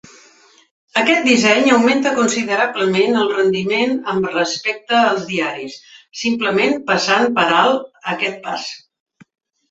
Aquest disseny augmenta considerablement el rendiment amb respecte als diaris, simplement passant per alt aquest pas.